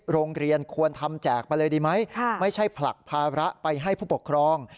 โรงเรียนควรทำแจกไปเลยดีไหมไม่ใช่ผลักภาระไปให้ผู้ปกครอง